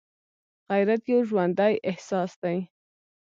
غیرت یو ژوندی احساس دی